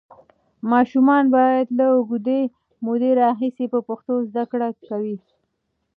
ماشومان به له اوږدې مودې راهیسې په پښتو زده کړه کوي.